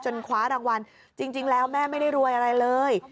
คว้ารางวัลจริงแล้วแม่ไม่ได้รวยอะไรเลย